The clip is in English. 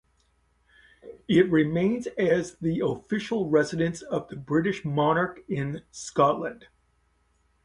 It remains as the official residence of the British monarch in Scotland.